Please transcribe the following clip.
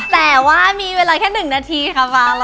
แต่ว่ามีเวลาแค่๑นาทีค่ะฟ้า